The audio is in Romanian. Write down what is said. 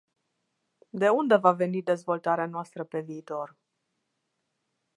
De unde va veni dezvoltarea noastră pe viitor?